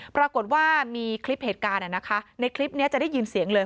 ปรากฏว่ามีคลิปเหตุการณ์ในคลิปนี้จะได้ยินเสียงเลย